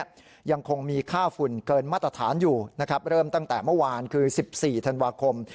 ยังคงมีค่าฝุ่นเกินมาตรฐานอยู่นะครับเริ่มตั้งแต่เมื่อวานคือ๑๔ธันวาคม